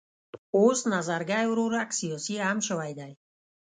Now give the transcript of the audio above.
اوس نظرګی ورورک سیاسي هم شوی دی.